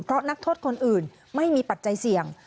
เพราะนักโทษคนอื่นไม่มีปัจจัยเสี่ยง